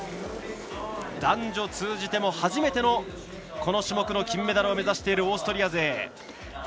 男女通じても初めてのこの種目の金メダルを目指しているオーストリア勢。